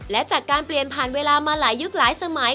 และจากการเปลี่ยนผ่านเวลามาหลายยุคหลายสมัย